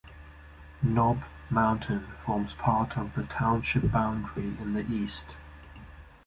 Knob Mountain forms part of the township boundary in the east.